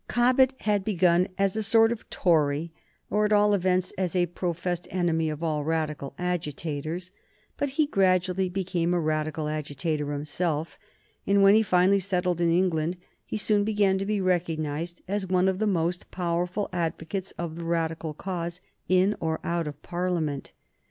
Cobbett had begun as a sort of Tory, or, at all events, as a professed enemy of all Radical agitators, but he gradually became a Radical agitator himself, and when he finally settled in England he soon began to be recognized as one of the most powerful advocates of the Radical cause in or out of Parliament.